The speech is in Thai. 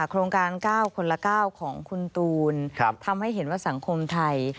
โครงการ๙คนละ๙ของคุณตูนทำให้เห็นว่าสังคมไทย